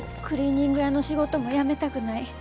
クリーニング屋の仕事も辞めたくない。